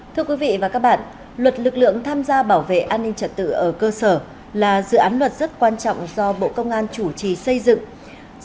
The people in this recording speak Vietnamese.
thưa quý vị và các bạn luật lực lượng tham gia bảo vệ an ninh trật tự ở cơ sở là dự án luật rất quan trọng do bộ công an chủ trì xây dựng